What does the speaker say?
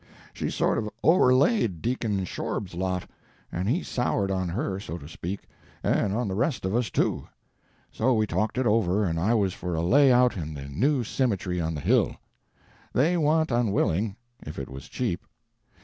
She sort o' overlaid Deacon Shorb's lot, and he soured on her, so to speak, and on the rest of us, too. So we talked it over, and I was for a lay out in the new simitery on the hill. They wa'n't unwilling, if it was cheap.